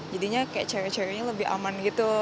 jadinya kayak cewek ceweknya lebih aman gitu